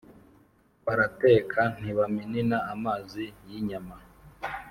Barateka ntibaminina-Amazi y'inyama.